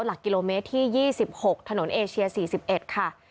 หลักกิโลเมตรที่๒๖ถนนเอเชีย๔๑ค่ะ